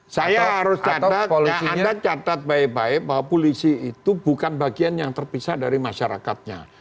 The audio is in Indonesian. saya harus anda catat baik baik bahwa polisi itu bukan bagian yang terpisah dari masyarakatnya